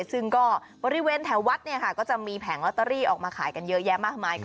ซึ่งก็บริเวณแถววัดก็จะมีแผงลอตเตอรี่ออกมาขายกันเยอะแยะมากมาย